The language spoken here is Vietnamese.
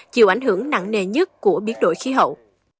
chịu ảnh hưởng nặng nề nhất của biến đổi khí hậu